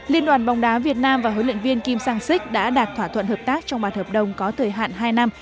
liên đoàn bóng đá việt nam và huấn luyện viên kim sang sik đã đạt thỏa thuận hợp tác trong bàn hợp đồng có thời hạn hai năm